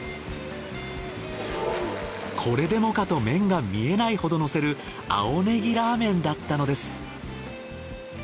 これでもかと麺が見えないほど乗せる青ねぎラーメンだったのです。